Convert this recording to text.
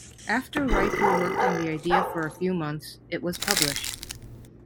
After Raiku worked on the idea for a few months, it was published.